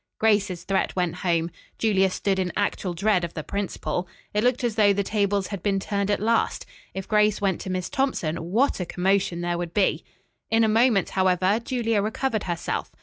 Grace's threat went home. Julia stood in actual dread of the principal. It looked as though the tables had been turned at last. If Grace went to Miss Thompson what a commotion there would be! In a moment, however, Julia recovered herself.